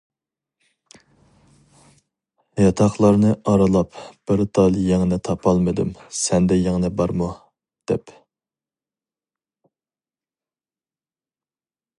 « ياتاقلارنى ئارىلاپ بىر تال يىڭنە تاپالمىدىم، سەندە يىڭنە بارمۇ؟» دەپ.